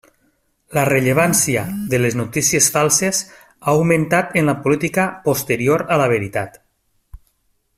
La rellevància de les notícies falses ha augmentat en la política posterior a la veritat.